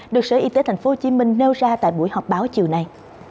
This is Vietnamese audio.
được sở y tế tp hcm nêu ra tại buổi họp báo chiều nay